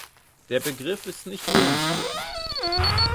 Der Begriff ist nicht unumstritten.